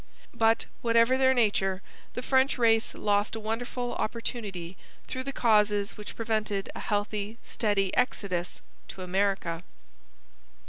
But, whatever their nature, the French race lost a wonderful opportunity through the causes which prevented a healthy, steady exodus to America.